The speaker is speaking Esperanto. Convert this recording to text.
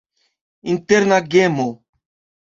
Interna gemo.